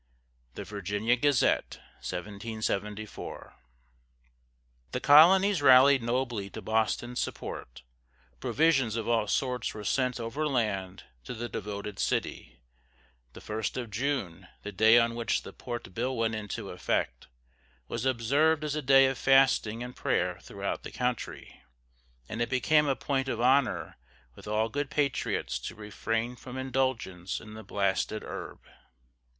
The Virginia Gazette, 1774. The colonies rallied nobly to Boston's support; provisions of all sorts were sent over land to the devoted city; the 1st of June, the day on which the Port Bill went into effect, was observed as a day of fasting and prayer throughout the country, and it became a point of honor with all good patriots to refrain from indulgence in "the blasted herb."